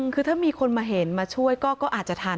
คือถ้ามีคนมาเห็นมาช่วยก็อาจจะทัน